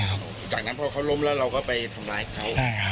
หลังจากนั้นพอเขาล้มแล้วเราก็ไปทำร้ายเขา